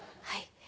はい。